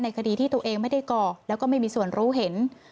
คดีที่ตัวเองไม่ได้ก่อแล้วก็ไม่มีส่วนรู้เห็น